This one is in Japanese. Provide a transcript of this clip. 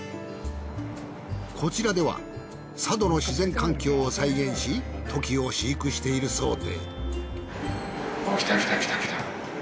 こちらでは佐渡の自然環境を再現しトキを飼育しているそうで。来た来た来た来た。